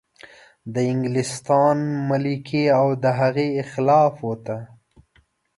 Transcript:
د انګلستان ملکې او د هغې اخلافو ته.